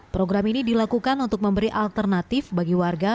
program ini dilakukan untuk memberi alternatif bagi warga